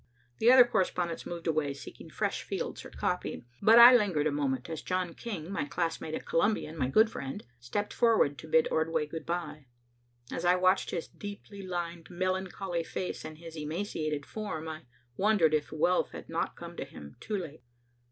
The other correspondents moved away, seeking fresh fields for copy, but I lingered a moment as John King, my classmate at Columbia and my good friend, stepped forward to bid Ordway good bye. As I watched his deeply lined, melancholy face and his emaciated form, I wondered if wealth had not come to him too late.